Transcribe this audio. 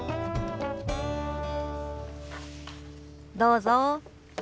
どうぞ。